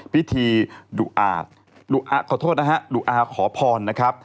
พิธีขอโทษนะฮะดุอาขอพรนะครับ